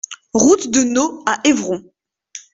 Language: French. Route de Neau à Évron